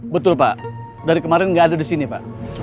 betul pak dari kemaren gak ada disini pak